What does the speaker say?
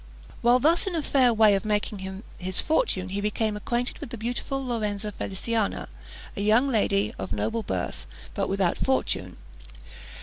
While thus in a fair way of making his fortune he became acquainted with the beautiful Lorenza Feliciana, a young lady of noble birth, but without fortune.